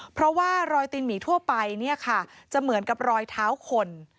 เพราะว่ารอยตีนหมีทั่วไปเนี่ยค่ะจะเหมือนกับรอยเท้าคน